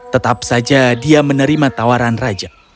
tetap saja dia menerima tawaran raja